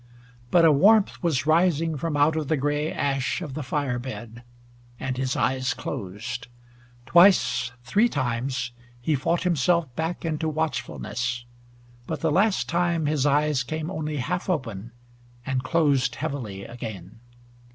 But a warmth was rising from out of the gray ash of the fire bed, and his eyes closed. Twice three times he fought himself back into watchfulness; but the last time his eyes came only half open, and closed heavily again.